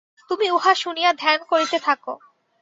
তুমি উহা শুনিয়া ধ্যান করিতে থাক।